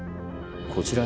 こちらに？